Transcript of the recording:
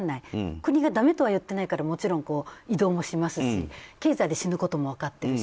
国がだめとは言ってないからもちろん移動もしますし経済で死ぬことも分かってるし。